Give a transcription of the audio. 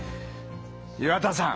岩田さん。